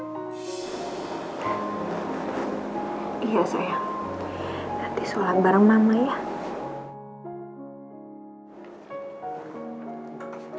nanti sholat bareng mama ya